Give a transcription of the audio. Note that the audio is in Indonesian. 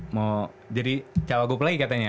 mau jadi cawagup lagi katanya